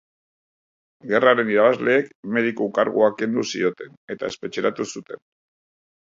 Gerraren irabazleek mediku kargua kendu zioten eta espetxeratu zuten.